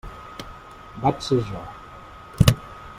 Vaig ser jo.